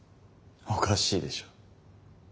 おかしいでしょう。